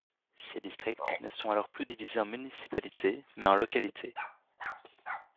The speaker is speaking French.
Ces districts ne sont alors plus divisés en municipalités mais en localités.